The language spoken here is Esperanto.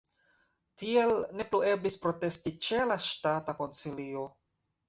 Tiel ne plu eblis protesti ĉe la Ŝtata Konsilio.